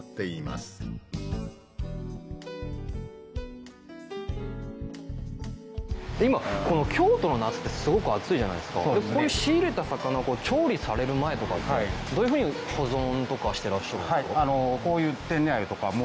いまこの京都の夏ってすごく暑いじゃないですかこういう仕入れた魚調理される前とかってどういうふうに保存とかしてらっしゃるんですか？